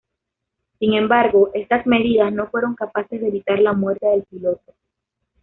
Sin embargo, estas medidas no fueron capaces de evitar la muerte del piloto.